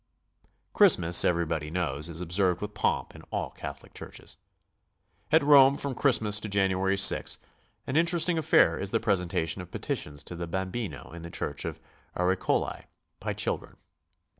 Christmas, everybody knows, is observed with pomp in all Catholic Churches. At Rome from Christmas to Jan. 6 an interesting affair is the presentation of petitions to the bambino in the church of Aracoeli, by children.